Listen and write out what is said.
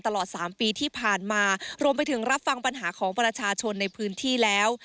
ตลอดสามปีที่ผ่านมารวมไปถึงรับฟังปัญหาของประชาชนในพื้นที่แล้ว